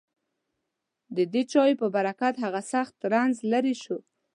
ددې چایو په برکت هغه سخت رنځ لېرې شو.